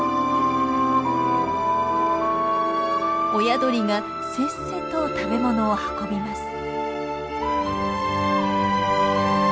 親鳥がせっせと食べ物を運びます。